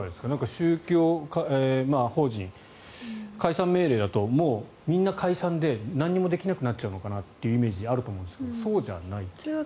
宗教法人、解散命令だともうみんな解散で何もできなくなっちゃうのかなってイメージがあるんですがそうじゃないという。